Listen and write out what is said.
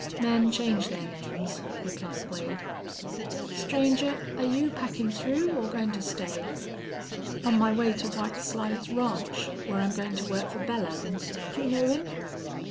"Men change their names," replied Wade. "Stranger, air you packin' through or goin' to stay?" "On my way to White Slides Ranch, where I'm goin' to work for Belllounds. Do you know him?"